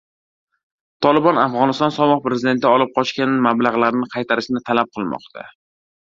Tolibon Afg‘oniston sobiq prezidenti olib qochgan mablag‘larni qaytarishni talab qilmoqda